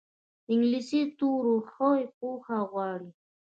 انګلیسي د توریو ښه پوهه غواړي